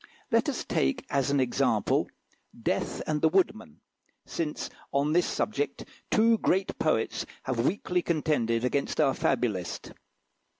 Let us take as an example "Death and the Woodman," since on this subject two great poets have weakly contended against our fabulist.